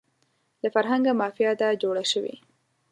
له فرهنګه مافیا ده جوړه شوې